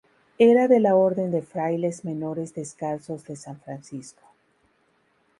Era de la Orden de Frailes Menores Descalzos de San Francisco.